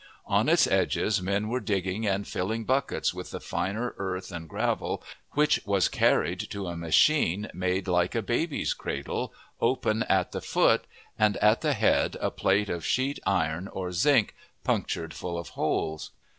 On its edges men were digging, and filling buckets with the finer earth and gravel, which was carried to a machine made like a baby's cradle, open at the foot, and at the head a plate of sheet iron or zinc, punctured full of holes.